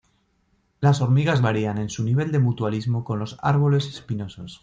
Las hormigas varían en su nivel de mutualismo con los árboles espinosos.